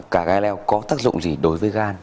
cà gai leo có tác dụng gì đối với gan